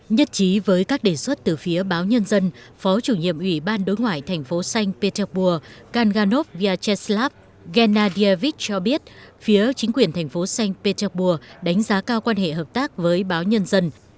nhất trí với các đề xuất từ phía báo nhân dân phó chủ nhiệm ủy ban đối ngoại thành phố sanh bí tích pua kanganov vyacheslav genadievich cho biết phía chính quyền thành phố sanh bí tích pua đánh giá cao quan hệ hợp tác với báo nhân dân